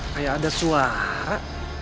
kayak ada suara